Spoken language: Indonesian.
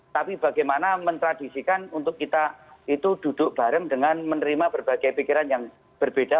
tapi bagaimana mentradisikan untuk kita itu duduk bareng dengan menerima berbagai pikiran yang berbeda